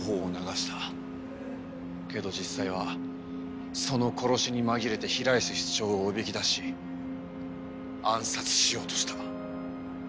けど実際はその殺しに紛れて平安室長をおびき出し暗殺しようとした。